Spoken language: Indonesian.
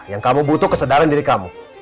yang kamu butuh kesadaran diri kamu